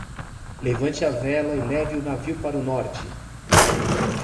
Levante a vela e leve o navio para o norte.